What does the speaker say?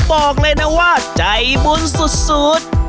บอกเลยนะว่าใจบุญสุด